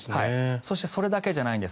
そしてそれだけじゃないんです。